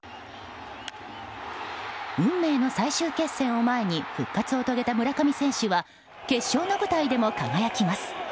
運命の最終決戦を前に復活を遂げた村上選手は決勝の舞台でも輝きます。